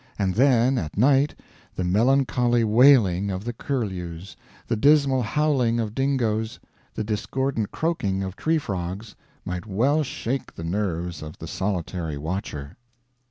And then at night, the melancholy wailing of the curlews, the dismal howling of dingoes, the discordant croaking of tree frogs, might well shake the nerves of the solitary watcher."